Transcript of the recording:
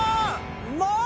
もう！